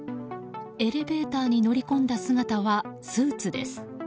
エレベーターに乗り込んだ姿はスーツです。